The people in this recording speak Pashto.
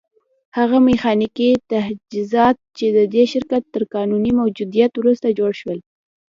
هغه ميخانيکي تجهيزات چې د دې شرکت تر قانوني موجوديت وروسته جوړ شول.